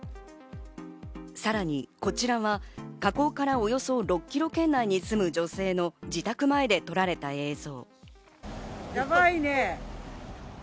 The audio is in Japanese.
さらにこちらは火口からおよそ６ｋｍ圏内に住む女性の自宅前で撮られた映像。